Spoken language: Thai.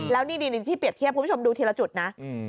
แล้วนี่ที่เปรียบเทียบคุณผู้ชมดูทีละจุดนะ